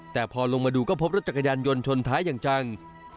แต่พอลงมาดูก็พบรถจักรยานยนต์ชนท้ายอย่างจัง